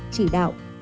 chỉ đạo tổng lượng hoa